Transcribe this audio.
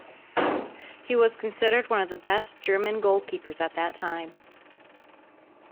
He was considered one of the best German goalkeepers at that time.